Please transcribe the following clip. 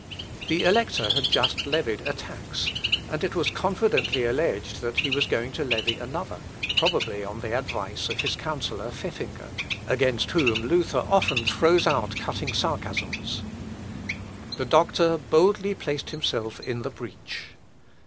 The Elector had just levied a tax, and it was confidently alleged that he was going to levy another, probably on the advice of his counsellor Pfeffinger, against whom Luther often throws out cutting sarcasms. The doctor boldly placed himself in the breach.